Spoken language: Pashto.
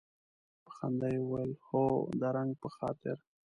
په خندا یې وویل هو د رنګ په خاطر.